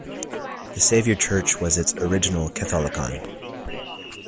The Saviour Church was its original katholikon.